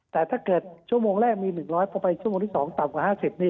แต่ถ้าเกิดชั่วโมงแรกมีหนึ่งร้อยไปชั่วโมงที่สองต่ำกว่าห้าสิบนี่